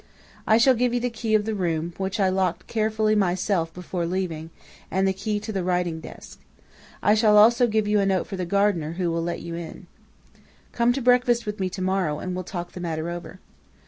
"'I shall give you the key of the room, which I locked carefully myself before leaving, and the key to the writing desk. I shall also give you a note for the gardener, who will let you in. "'Come to breakfast with me to morrow, and we'll talk the matter over.'